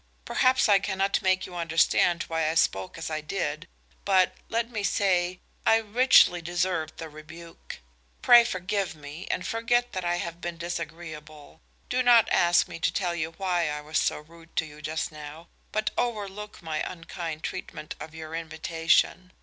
Perhaps I cannot make you understand why I spoke as I did, but, let me say, I richly deserved the rebuke. Pray forgive me and forget that I have been disagreeable. Do not ask me to tell you why I was so rude to you just now, but overlook my unkind treatment of your invitation.